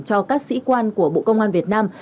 cho các sĩ quan của bộ công an việt nam